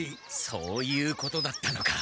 そういうことだったのか。